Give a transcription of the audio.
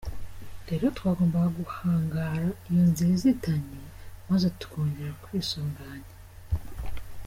Rero twagombaga guhangara iyo nzira izitanye, maze tukongera kwisuganya.